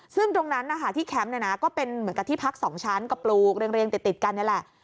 ซึ่งตรงนั้นนะคะที่แคมป์เนี่ยนะก็เป็นเหมือนกับที่พัก๒ชั้นก็ปลูกเรียงติดกันนี่แหละ